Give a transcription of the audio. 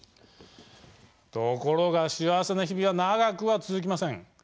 ところが、幸せな日々は長くは続きません。